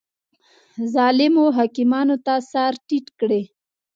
ظالمو حاکمانو ته سر ټیټ کړي